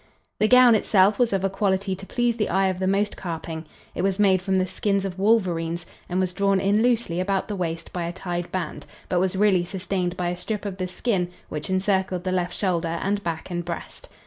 The gown itself was of a quality to please the eye of the most carping. It was made from the skins of wolverines, and was drawn in loosely about the waist by a tied band, but was really sustained by a strip of the skin which encircled the left shoulder and back and breast.